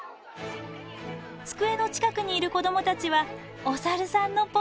机の近くにいる子どもたちはおサルさんのポーズです。